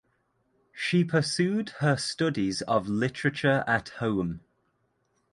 She pursued her studies of literature at home.